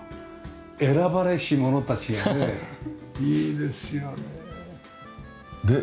選ばれしものたちがねえいいですよねえ。